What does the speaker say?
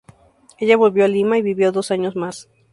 Ella volvió a Lima y vivió dos años más.